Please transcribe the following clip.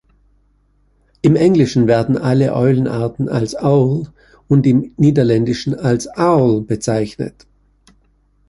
Im Englischen werden alle Eulenarten als "owl" und im Niederländischen als "uil" bezeichnet.